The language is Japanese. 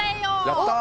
やった！